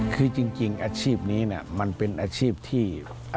คือจริงอาชีพนี้มันเป็นอาชีพที่